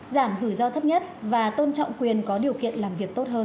giảm rủi ro thấp nhất và tôn trọng quyền có điều kiện làm việc tốt hơn